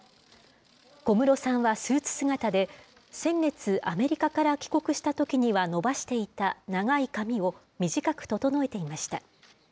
小室さんはスーツ姿で、先月、アメリカから帰国したときには伸ばしていた長い髪を短く整えていました。